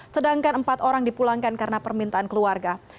sedangkan empat orang dipulangkan karena permintaan keluarga